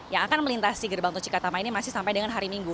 yang akan melintasi gerbang tol cikatama ini masih sampai dengan hari minggu